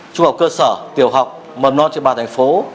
trung học cơ sở tiểu học mầm non trên ba thành phố